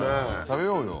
食べようよ。